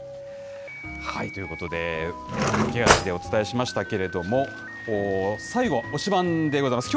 ということで、駆け足でお伝えしましたけれども、最後は推しバン！でございます。